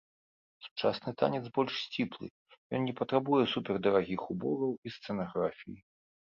Сучасны танец больш сціплы, ён не патрабуе супердарагіх убораў і сцэнаграфіі.